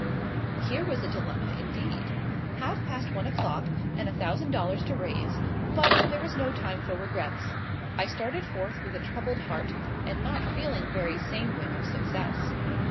Here was a dilemma, indeed. Half past one o'clock, and a thousand dollars to raise; but there was no time for regrets. I started forth with a troubled heart, and not feeling very sanguine of success.